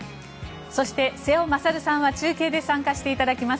そして瀬尾傑さんは中継で参加していただきます。